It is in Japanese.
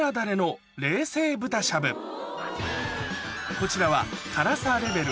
こちらは辛さレベル